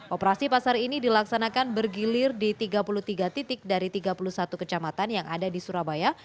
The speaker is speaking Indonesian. operasi pasar ini dilaksanakan bergilir di tiga puluh tiga titik dari tiga puluh satu kecamatan yang ada di surabaya